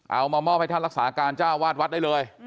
เอามามอบให้ท่านรักษาการเจ้าวาดวัดได้เลย